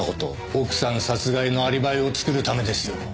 奥さん殺害のアリバイを作るためですよ。